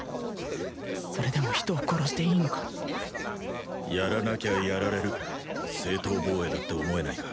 それでも人を殺していいのかやらなきゃやられる正当防衛だって思えないか？